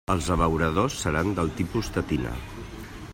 Els abeuradors seran del tipus tetina.